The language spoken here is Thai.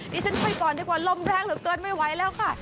ฉันช่วยก่อนดีกว่าลมแรงเหลือเกินไม่ไหวแล้วค่ะ